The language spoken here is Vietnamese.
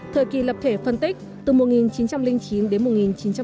thời kỳ lập thể phân tích từ một nghìn chín trăm linh chín đến một nghìn chín trăm tám mươi